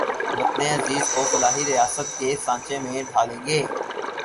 وطن عزیز کو فلاحی ریاست کے سانچے میں ڈھالیں گے